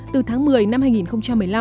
từ tháng một mươi năm hai nghìn một mươi năm